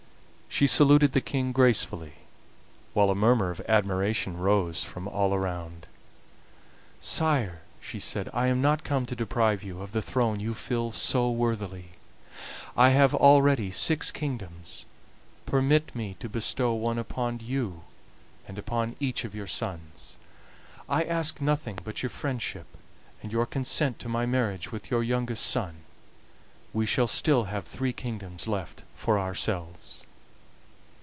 She saluted the King gracefully, while a murmur of admiration rose from all around. "Sire," she said, "I am not come to deprive you of the throne you fill so worthily. I have already six kingdoms, permit me to bestow one upon you, and upon each of your sons. I ask nothing but your friendship, and your consent to my marriage with your youngest son; we shall still have three kingdoms left for ourselves."